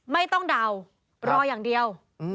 ไม่ต้องเดารออย่างเดียว